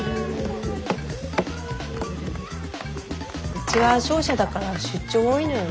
うちは商社だから出張多いのよね。